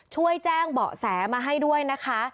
ช่วยแจ้งเบาะแสมาให้ด้วยนะคะ